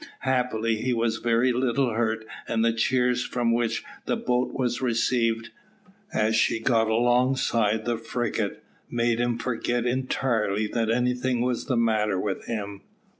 Happily he was very little hurt, and the cheers with which the boat was received, as she got alongside the frigate, made him forget entirely that anything was the matter with him.